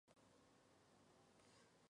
La sede del condado es Sturgeon Bay.